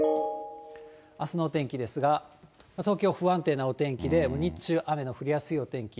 あすの天気ですが、東京、不安定なお天気で、日中、雨の降りやすいお天気。